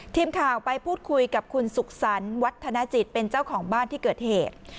ทีมข่าวไปพูดคุยกับคุณสุขสรรค์วัฒนจิตเป็นเจ้าของบ้านที่เกิดเหตุ